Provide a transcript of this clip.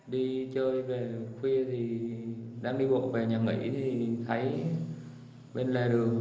đi chơi về khuya thì đang đi bộ về nhà nghỉ thì thấy bên lề đường